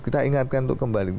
kita ingatkan untuk kembali